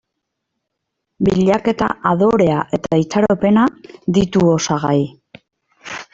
Bilaketa, adorea eta itxaropena ditu osagai.